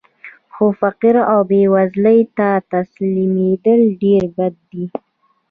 خو فقر او بېوزلۍ ته تسلیمېدل ډېر بد دي